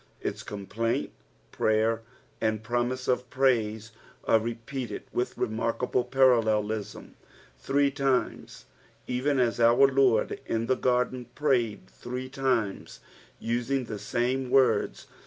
Its compliUnt, prayer, and promise of praise are repeated wUh remarkable paraltelism three times, even as our Lord in the Garden prayed three times, using the same leonis.